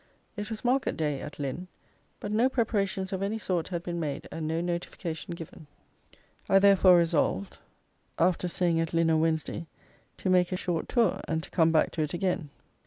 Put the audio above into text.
It was market day at Lynn, but no preparations of any sort had been made, and no notification given. I therefore resolved, after staying at Lynn on Wednesday, to make a short tour, and to come back to it again.